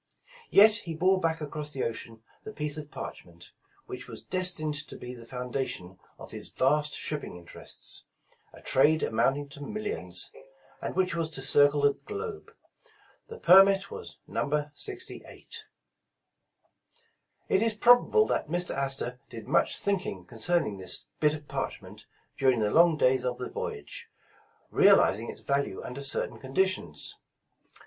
Yet he bore back across the ocean the piece of parchment, which was destined to be the foundation of his vast shipping interests, a trade amounting to mil lions, and which was to circle the globe. The Permit was No. 68. It is probable that Mr. Astor did much thinking concerning this bit of parchment during the long days of the voyage, realizing its value under certain condi tions.